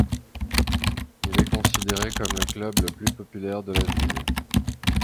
Il est considéré comme le club le plus populaire de la ville.